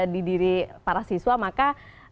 di diri para siswa maka